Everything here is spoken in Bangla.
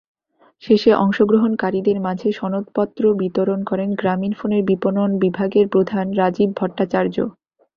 শেষে অংশগ্রহণকারীদের মাঝে সনদপত্র বিতরণ করেন গ্রামীণফোনের বিপণন বিভাগের প্রধান রাজীব ভট্টাচার্য।